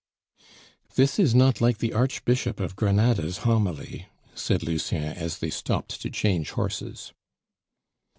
"This is not like the Archbishop of Granada's homily," said Lucien as they stopped to change horses.